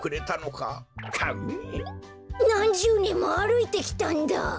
なんじゅうねんもあるいてきたんだ！